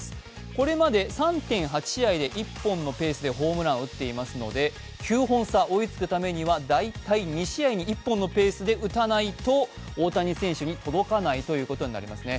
これまで３．８試合で１本のペースでホームランを打っていますので９本差、追いつくためには大体２試合に１本のペースで打たないと、大谷選手に届かないということになりますね。